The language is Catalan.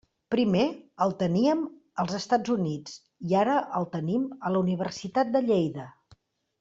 Primer el teníem als Estats Units, i ara el tenim a la Universitat de Lleida.